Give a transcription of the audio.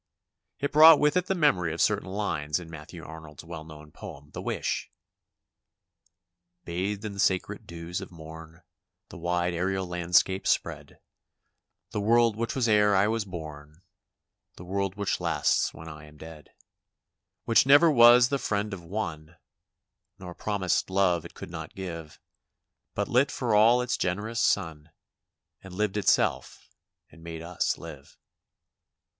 It brought with it the memory of certain lines in Matthew Arnold's well known poem The Wish: " Bathed in the sacred dews of morn The wide aerial landscape spread — The world which was ere I was born, The world which lasts when I am dead ;" Which never was the friend of one, Nor promised love it could not give. But lit for all its generous sun. And lived itself, and made us live."